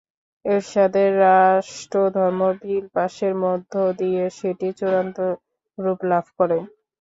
এরশাদের রাষ্ট্রধর্ম বিল পাসের মধ্য দিয়ে সেটি চূড়ান্ত রূপ লাভ করে।